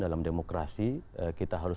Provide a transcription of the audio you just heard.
dalam demokrasi kita harus